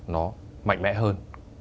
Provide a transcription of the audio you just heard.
nó mạnh mẽ hơn